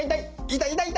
痛い痛い